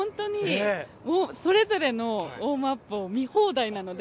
それぞれのウォームアップを見放題なので。